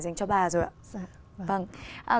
dành cho bà rồi ạ